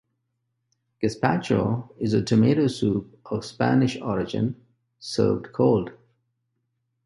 Gazpacho is a tomato soup of Spanish origin, served cold.